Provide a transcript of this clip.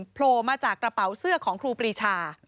โผล่มาจากกระเป๋าเสื้อของครูปรีชา